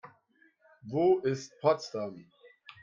Wo ist Potsdam?